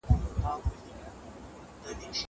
زه پرون مړۍ خورم!